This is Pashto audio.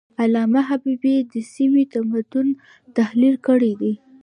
علامه حبيبي د سیمې د تمدنونو تحلیل کړی دی.